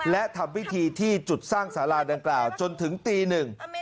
และทำพิธีที่จุดสร้างสาราดังกล่าวจนถึงตีหนึ่ง